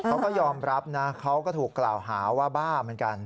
เขาก็ยอมรับนะเขาก็ถูกกล่าวหาว่าบ้าเหมือนกัน